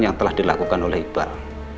yang telah dilakukan oleh iqbal